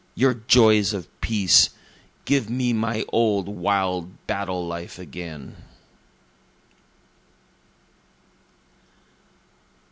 your joys of peace! Give me my old wild battle life again!"